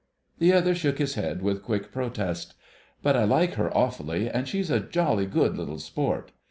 The other shook his head with quick protest. "But I like her awfully, and she's a jolly good little sport.